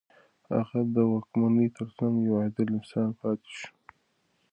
هغه د واکمنۍ تر څنګ يو عادل انسان پاتې شو.